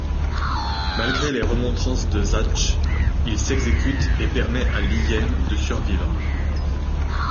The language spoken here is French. Malgré les remontrances de Zatch, il s'exécute et permet à Li-Yen de survivre.